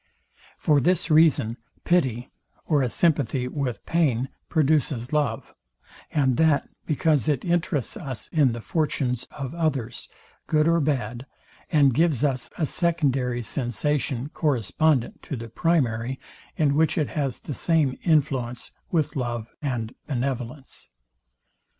For this reason, pity or a sympathy with pain produces love, and that because it interests us in the fortunes of others, good or bad, and gives us a secondary sensation correspondent to the primary; in which it has the same influence with love and benevolence.